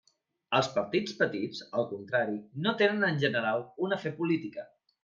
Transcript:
Els partits petits, al contrari, no tenen en general una fe política.